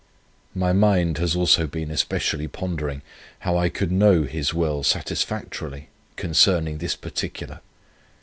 My mind has also been especially pondering, how I could know His will satisfactorily concerning this particular.